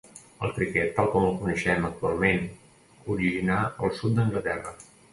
El criquet tal com el coneixem actualment originà al sud d'Anglaterra.